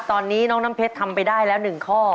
ตอนนี้น้องน้ำเพชรทำไปได้แล้ว๑ข้อ